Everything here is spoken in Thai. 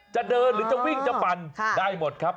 จะเดินหรือจะวิ่งจะปั่นได้หมดครับ